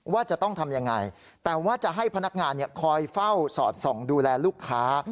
ว่าจะต้องทำยังไงแต่ว่าจะให้พนักงานคอยเฝ้าสอดส่องดูแลลูกค้า